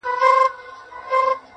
يوه ورځ بيا پوښتنه راپورته کيږي,